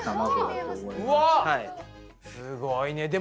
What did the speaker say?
すごいね。